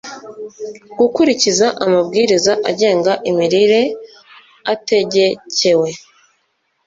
gukurikiza amabwiriza agenga imirire ategekewe